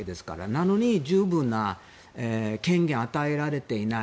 なのに、十分な権限を与えられていない。